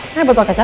ini berapa kaca